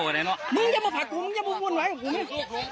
มึงอย่ามาฝากกูมึงอย่าบุวนไหวกับกูนี่